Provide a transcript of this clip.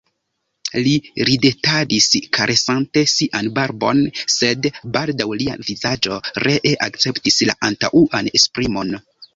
Li ridetadis, karesante sian barbon, sed baldaŭ lia vizaĝo ree akceptis la antaŭan esprimon.